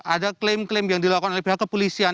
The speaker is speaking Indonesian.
ada klaim klaim yang dilakukan oleh pihak kepolisian